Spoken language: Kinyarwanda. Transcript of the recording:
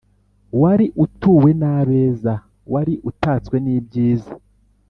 wari utuwe n'abeza wari utatswe n'ibyiza